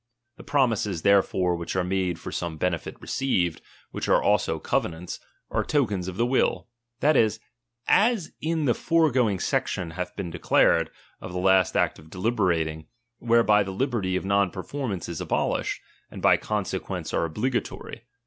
The promises therefore which are made for some benefit received, which are also cove nants, are tokens of tbe will ; that is, as in the foregoing section hath been declared, of the last act of deliberating, whereby the liberty of non per formance is abolished, and by consequence are obli gatory.